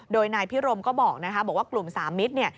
โดยนายพิรมก็บอกว่ากลุ่มสามมิตร